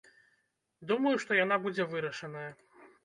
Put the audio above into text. Думаю, што яна будзе вырашаная.